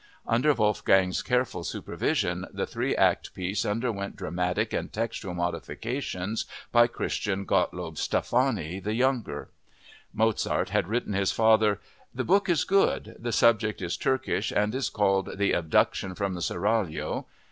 Under Wolfgang's careful supervision the three act piece underwent dramatic and textual modifications by Christian Gottlob Stephanie the Younger. Mozart had written his father: "The book is good; the subject is Turkish and is called 'The Abduction from the Seraglio.